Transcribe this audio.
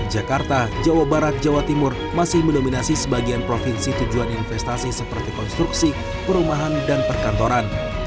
jakarta jawa barat jawa timur masih mendominasi sebagian provinsi tujuan investasi seperti konstruksi perumahan dan perkantoran